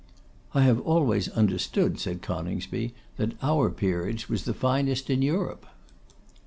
'I have always understood,' said Coningsby, 'that our peerage was the finest in Europe.